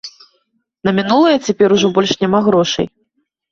На мінулае цяпер ужо больш няма грошай.